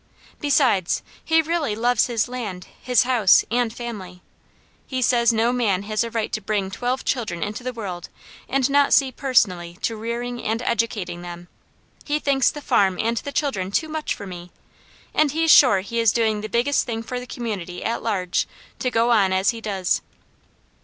Besides, he really loves his land, his house, and family. He says no man has a right to bring twelve children into the world and not see personally to rearing and educating them. He thinks the farm and the children too much for me, and he's sure he is doing the biggest thing for the community at large, to go on as he does."